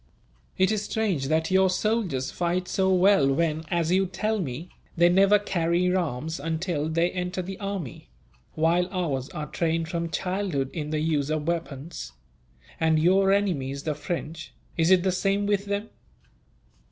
"It is strange that your soldiers fight so well when, as you tell me, they never carry arms until they enter the army; while ours are trained from childhood in the use of weapons. And your enemies, the French, is it the same with them?"